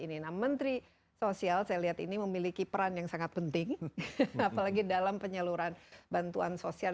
nah menteri sosial saya lihat ini memiliki peran yang sangat penting apalagi dalam penyaluran bantuan sosial